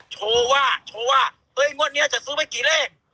โชว์ว่าโชว์ว่าเฮ้ยงวดนี้จะซื้อไม่กี่เลข